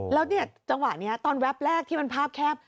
แล้วนี้จังหวะนี้ตอนแวะแรกที่พับแคบ